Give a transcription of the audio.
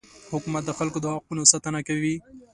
حکومت د خلکو د حقونو ساتنه کوي.